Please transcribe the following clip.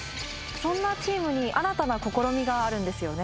そんなチームに新たな試みがあるんですよね。